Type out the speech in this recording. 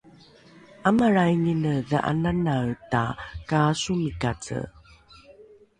’amalraingine dha’ananaeta kaasomikace